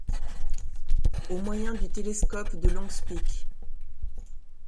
Au moyen du télescope de Long’s-Peak.